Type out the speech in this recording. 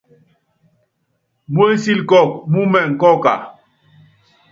Mú ensíl kɔ́ɔk mú imɛŋ kɔ́ɔka ?